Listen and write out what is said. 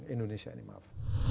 indonesia ini maaf